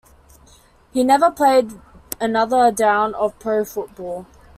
He never played another down of pro football.